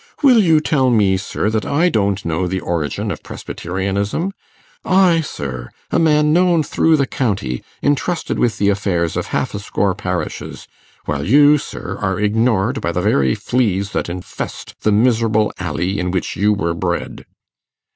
Will you tell me, sir, that I don't know the origin of Presbyterianism? I, sir, a man known through the county, intrusted with the affairs of half a score parishes; while you, sir, are ignored by the very fleas that infest the miserable alley in which you were bred.